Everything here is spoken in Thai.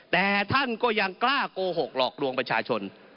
แต่ท่านก็ยังกล้าโกหกหลอกลวงประชาชน